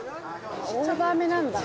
オーバーめなんだ。